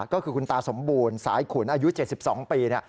ก็คือคุณตาสมบูรณ์สายขุนอายุ๗๒ปี